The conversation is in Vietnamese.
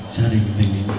gia đình mình